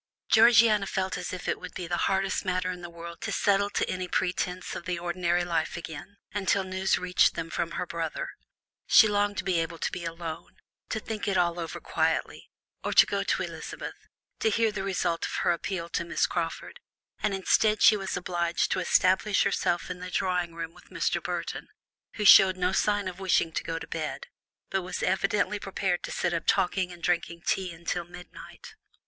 Georgiana felt as if it would be the hardest matter in the world to settle to any pretence of the ordinary life again, until news reached them from her brother; she longed to be able to be alone, to think it all over quietly, or to go to Elizabeth, to hear the result of her appeal to Miss Crawford, and instead she was obliged to establish herself in the drawing room with Mr. Bertram, who showed no sign of wishing to go to bed, but was evidently prepared to sit up talking and drinking tea until midnight.